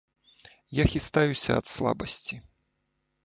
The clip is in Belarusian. Я хістаюся ад слабасці.